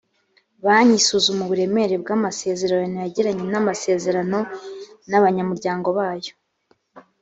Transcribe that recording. banki isuzuma uburemere bw’amasezerano yagiranye amasezerano n’ abanyamuryango bayo